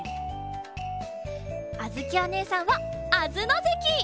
あづきおねえさんはあづのぜき！